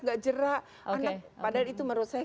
gak jerak padahal itu menurut saya